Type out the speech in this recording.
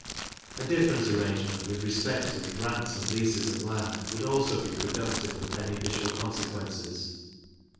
A different arrangement with respect to the grants and leases of land would also be productive of beneficial consequences.